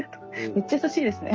めっちゃ優しいですね。